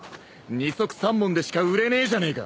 二束三文でしか売れねえじゃねえか。